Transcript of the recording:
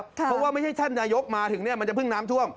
เพราะว่าไม่ใช่ท่านนายกมาถึงเนี่ยมันจะเพิ่งน้ำท่วม